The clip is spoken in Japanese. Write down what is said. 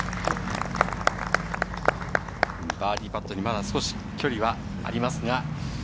バーディーパットには、まだ少し距離があります。